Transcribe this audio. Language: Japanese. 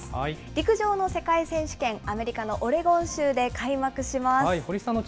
陸上の世界選手権、アメリカのオレゴン州で開幕します。